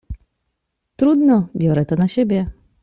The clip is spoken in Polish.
"Trudno, biorę to na siebie!"